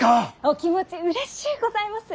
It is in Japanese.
お気持ちうれしゅうございます。